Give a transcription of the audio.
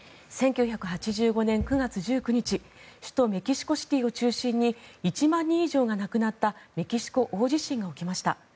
１９８５年９月１９日首都メキシコシティを中心に１万人以上が亡くなったメキシコ大地震が起きました。